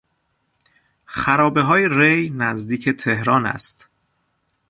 خرابههای ری نزدیک تهران است.